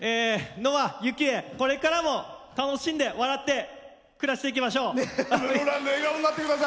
これからも楽しんで笑って暮らしていきましょう。